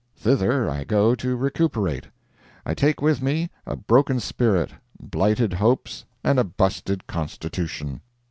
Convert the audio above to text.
Thither I go to recuperate. I take with me a broken spirit, blighted hopes and a busted constitution.